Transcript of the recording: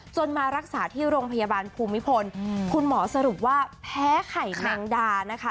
มารักษาที่โรงพยาบาลภูมิพลคุณหมอสรุปว่าแพ้ไข่แมงดานะคะ